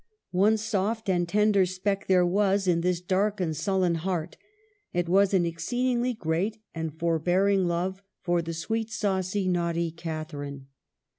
One soft and tender speck there was in this dark and sullen heart ; it was an exceedingly great and forbearing love for the sweet, saucy, naughty Catharine.